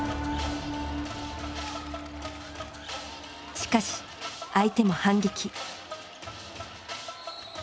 しかし相手も反撃。